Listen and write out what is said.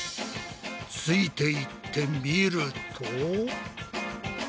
ついていってみると。